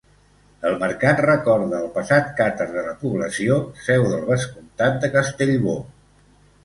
El mercat recorda el passat càtar de la població, seu del vescomtat de Castellbò.